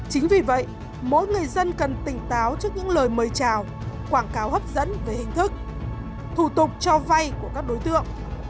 chính vì vậy mỗi người dân cần tỉnh táo trước những lời mời chào quảng cáo hấp dẫn về hình thức thủ tục cho vay của các đối tượng